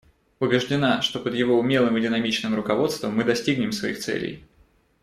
Убеждена, что под его умелым и динамичным руководством мы достигнем своих целей.